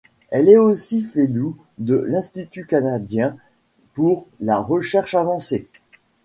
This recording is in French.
Elle est aussi Fellow de l'Institut canadien pour la recherche avancée.